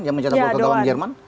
yang mencetak bola ke bawah jerman